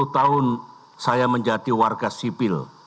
dua puluh tahun saya menjadi warga sipil